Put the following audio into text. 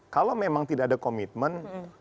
kalau memang tidak ada komitmen